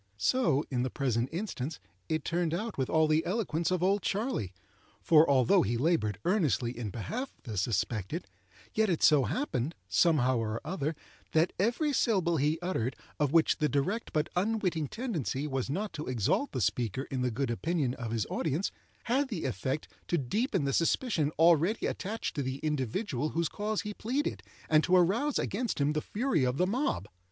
So, in the present instance, it turned out with all the eloquence of "Old Charley"; for, although he laboured earnestly in behalf of the suspected, yet it so happened, somehow or other, that every syllable he uttered of which the direct but unwitting tendency was not to exalt the speaker in the good opinion of his audience, had the effect to deepen the suspicion already attached to the individual whose cause he pleaded, and to arouse against him the fury of the mob.